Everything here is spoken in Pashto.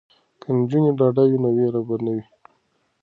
که نجونې ډاډه وي نو ویره به نه وي.